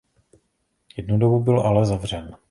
Jednu dobu byl ale zavřen.